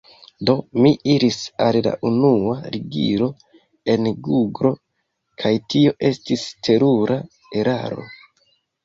Do, mi iris al la unua ligilo en guglo kaj tio estis terura eraro.